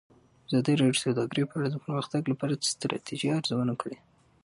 ازادي راډیو د سوداګري په اړه د پرمختګ لپاره د ستراتیژۍ ارزونه کړې.